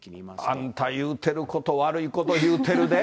あんた、言うてること、悪いこと言うてるで。